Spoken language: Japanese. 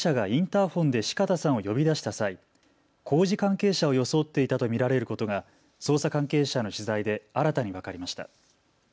その後の調べで容疑者がインターフォンで四方さんを呼び出した際、工事関係者を装っていたと見られることが捜査関係者への取材で新たに分かりました。